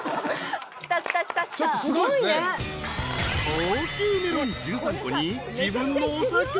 ［高級メロン１３個に自分のお酒］